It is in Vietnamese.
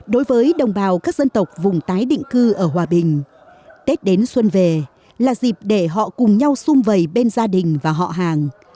đối với đồng bào các dân tộc vùng tái định cư ở hòa bình tết đến xuân về là dịp để họ cùng nhau xung vầy bên gia đình và họ hàng